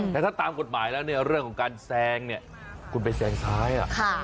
แต่ถ้าตามกฎหมายแล้วเนี่ยเรื่องของการแซงเนี่ยคุณไปแซงซ้าย